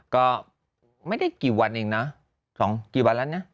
ก็ไม่ได้กี่วันเองนะ๒กี่วันแล้วนะ